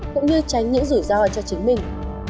cũng như tránh những rủi ro cho chính mình